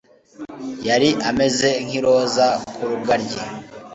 yari ameze nk'iroza ku rugaryi